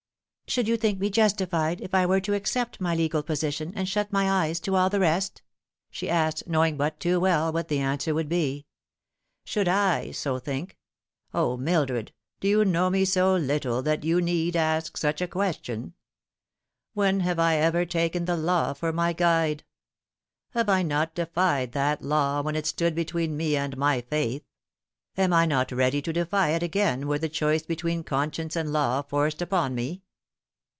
" Should you think me justified if I were to accept my legal position, and shut my eyes to all the rest ?" she asked, knowing but too well what the answer would be. " Should / so think ! O Mildred, do you know me so little that you need ask such a question ? When have I ever taken the law for my guide ? Have I not defied that law when it stood between me and my faith ? Am I not ready to defy it again were the choice between conscience and law forced upon me?